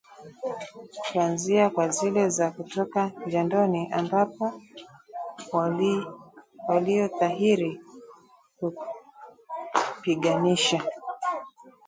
kuanzia kwa zile za kutoka jandoni ambapo waliotahiri hupiganisha